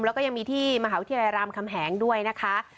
แล้วก็ยังมีที่มหาวิทยาลัยรามคำแหงด้วยนะคะ